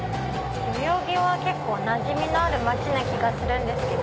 代々木は結構なじみのある街な気がするけど。